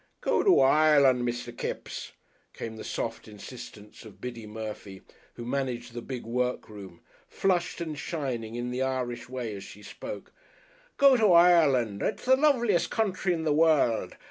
"Go to Oireland, Mr. Kipps," came the soft insistence of Biddy Murphy, who managed the big workroom, flushed and shining in the Irish way, as she spoke. "Go to Oireland. Ut's the loveliest country in the world.